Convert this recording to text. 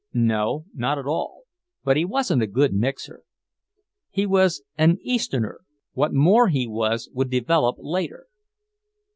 No, not at all; but he wasn't a good mixer. He was "an Easterner"; what more he was would develop later.